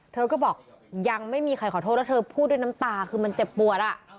เธอก็บอกยังไม่มีใครขอโทษแล้วเธอพูดด้วยน้ำตาคือมันเจ็บปวดอ่ะ